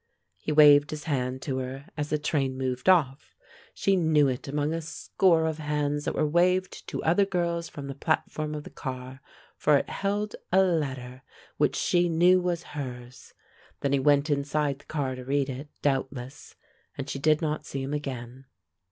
He waved his hand to her, as the train moved off she knew it among a score of hands that were waved to other girls from the platform of the car, for it held a letter which she knew was hers. Then he went inside the car to read it, doubtless, and she did not see him again.